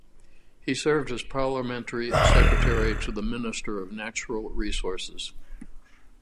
He served as Parliamentary Secretary to the Minister of Natural Resources.